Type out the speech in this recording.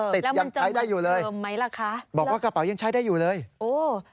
ติดยังใช้ได้อยู่เลยบอกว่ากระเป๋ายังใช้ได้อยู่เลยแล้วมันเหลือเฟิมไหมละคะ